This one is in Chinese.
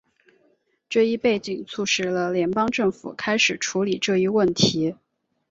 这一背景促使了联邦政府开始处理这一问题。